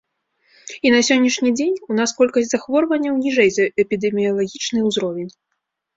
І на сённяшні дзень у нас колькасць захворванняў ніжэй за эпідэміялагічны ўзровень.